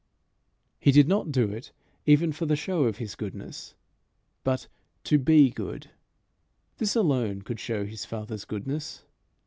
He did not do it even for the show of his goodness, but to be good. This alone could show his Father's goodness.